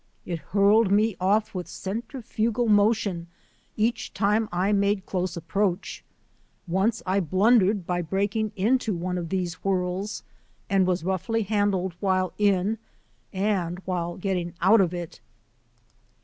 It hurled me off with centrifugal mo tion each time I made close approach. Once I blundered by breaking into one of these whirls, and was roughly handled while in and while getting out of it.